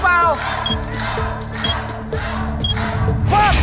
เงิน